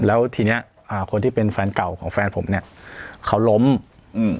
แล้วทีเนี้ยอ่าคนที่เป็นแฟนเก่าของแฟนผมเนี้ยเขาล้มอืม